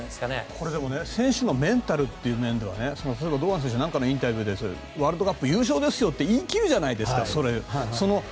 これでも選手のメンタルという面では例えば堂安選手なんかのインタビューでワールドカップ優勝ですよって言い切るじゃないですか。